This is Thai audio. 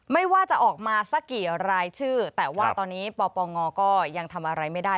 ไม่ว่าจะออกมาสักกี่รายชื่อแต่ว่าตอนนี้ปปงก็ยังทำอะไรไม่ได้